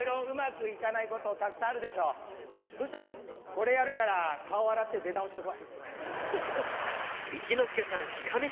これやるから顔洗って出直してこい。